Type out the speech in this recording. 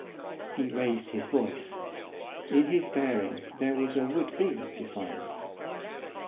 He raised his voice. In his bearing there was a would be defiance.